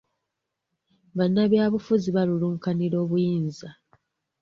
Bannabyabufuzi balulunkanira obuyinza.